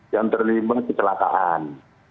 yang terlibat kecelakaan